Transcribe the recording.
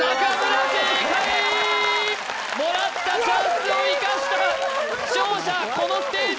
危ねえもらったチャンスをいかした勝者このステージ